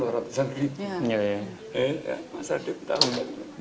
masa dia bertahun tahun